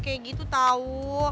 kayak gitu tahu